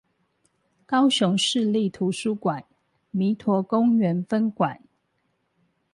高雄市立圖書館彌陀公園分館